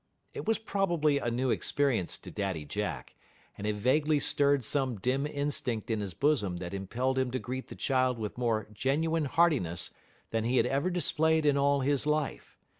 It was probably a new experience to Daddy Jack, and it vaguely stirred some dim instinct in his bosom that impelled him to greet the child with more genuine heartiness than he had ever displayed in all his life.